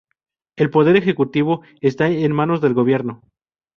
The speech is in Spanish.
El poder ejecutivo está en manos del gobierno.